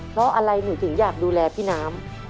เพราะอะไรหนูถึงอยากดูแลพี่น้ำ